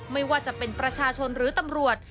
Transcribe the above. ไม่ว่าจะเป็นประชาชนหรือตำรวจ